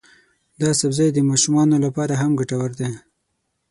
دا سبزی د ماشومانو لپاره هم ګټور دی.